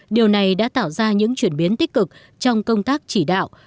điều này đã tạo ra những chuyển biến tích cực trong công tác chỉ đạo